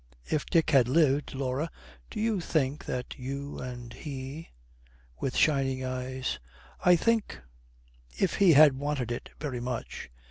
'If Dick had lived, Laura, do you think that you and he ?' With shining eyes, 'I think if he had wanted it very much.'